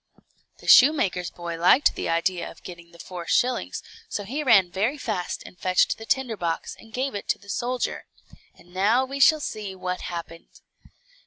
The shoemaker's boy liked the idea of getting the four shillings, so he ran very fast and fetched the tinder box, and gave it to the soldier. And now we shall see what happened.